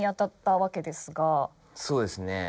そうですね。